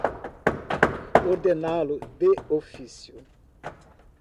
ordená-lo de ofício